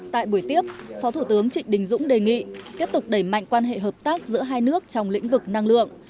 tại buổi tiếp phó thủ tướng trịnh đình dũng đề nghị tiếp tục đẩy mạnh quan hệ hợp tác giữa hai nước trong lĩnh vực năng lượng